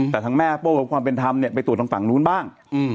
แต่ทางแม่โป้กับความเป็นธรรมไปตรวจทางฝั่งนู้นบ้าง